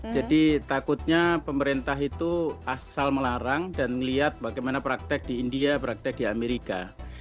jadi takutnya pemerintah itu asal melarang dan melihat bagaimana praktek di india praktek di amerika